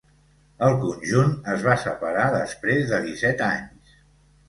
El conjunt es va separar després de disset anys.